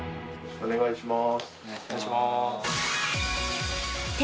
お願いします